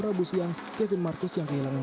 rabu siang kevin marcus yang kehilangan